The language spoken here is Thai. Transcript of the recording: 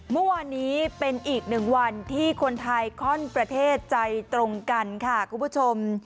เมื่อวานนี้เป็นอีกหนึ่งวันที่คนไทยข้อนประเทศใจตรงกันค่ะคุณผู้ชม